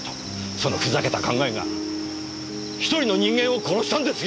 そのふざけた考えが１人の人間を殺したんですよ！